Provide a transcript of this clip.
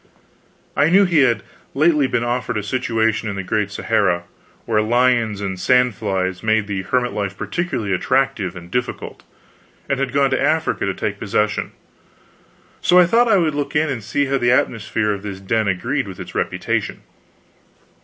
I knew he had lately been offered a situation in the Great Sahara, where lions and sandflies made the hermit life peculiarly attractive and difficult, and had gone to Africa to take possession, so I thought I would look in and see how the atmosphere of this den agreed with its reputation.